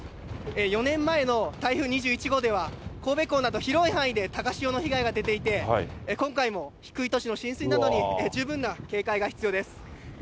４年前の台風２１号では、神戸港など広い範囲で高潮の被害が出ていて、今回も低い土地の浸水などに十分な警戒が必要です。